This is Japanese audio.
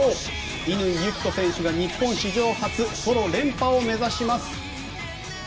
乾友紀子選手が、日本史上初ソロ連覇を目指します！